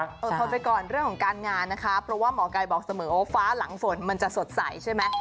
อดทนไปก่อนเรื่องของการงานนะคะเพราะว่าหมอไก่บอกเสมอว่าฟ้าหลังฝนมันจะสดใสใช่ไหม